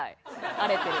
荒れてる。